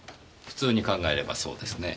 普通に考えればそうですね。